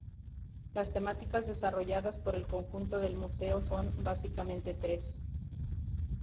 Las temáticas desarrolladas por el conjunto del museo son, básicamente, tres.